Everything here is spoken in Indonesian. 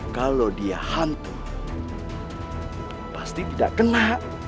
kalau dia hantu pasti tidak kena